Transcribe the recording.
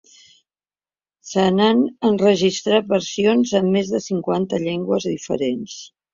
Se n’han enregistrat versions en més de cinquanta llengües diferents.